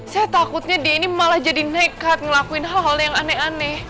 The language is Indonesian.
saya takutnya dia ini malah jadi nekat ngelakuin hal hal yang aneh aneh